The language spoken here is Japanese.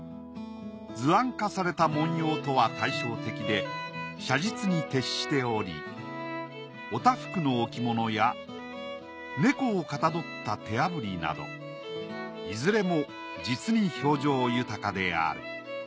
図案化された文様とは対照的で写実に徹しておりおたふくの置物や猫を象った手焙りなどいずれも実に表情豊かである。